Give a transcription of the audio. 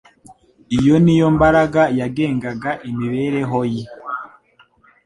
Iyo ni yo mbaraga yagengaga imibereho ye.